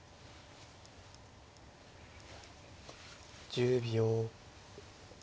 １０秒。